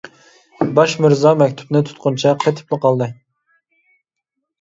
باش مىرزا مەكتۇپنى تۇتقىنىچە قېتىپلا قالدى.